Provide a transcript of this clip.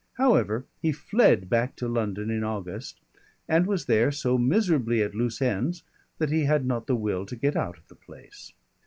However, he fled back to London in August, and was there so miserably at loose ends that he had not the will to get out of the place.